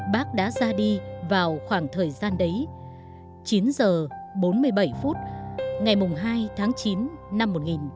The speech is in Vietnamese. bác đã ra đi vào khoảng thời gian đấy chín h bốn mươi bảy phút ngày hai tháng chín năm một nghìn chín trăm bảy mươi